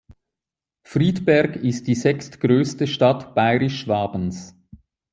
Friedberg ist die sechstgrößte Stadt Bayerisch-Schwabens.